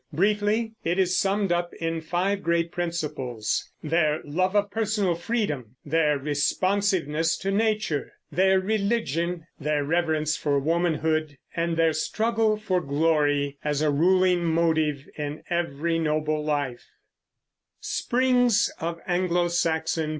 Briefly, it is summed up in five great principles, their love of personal freedom, their responsiveness to nature, their religion, their reverence for womanhood, and their struggle for glory as a ruling motive in every noble life.